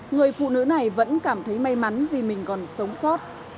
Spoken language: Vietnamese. người phụ nữ này vẫn cảm thấy may mắn vì mình còn sống sót